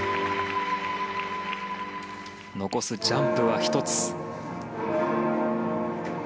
残すジャンプは１つ。